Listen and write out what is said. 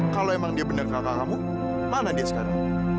kalau emang dia benar kakak kamu mana dia sekarang